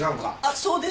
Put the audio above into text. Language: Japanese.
そうです。